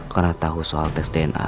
karena tahu soal tes dna